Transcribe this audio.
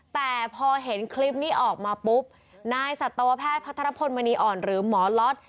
แต่พอเห็นคลิปนี้ออกมาปุ๊บนายสัตวแพทย์พัทรพลมณีอ่อนหรือหมอล็อต